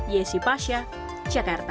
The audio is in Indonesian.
yesi pasha jakarta